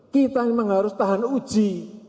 kita memang harus tahan uji